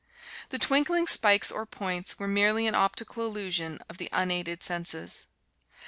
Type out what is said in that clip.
The twinkling spikes, or points, were merely an optical illusion of the unaided senses.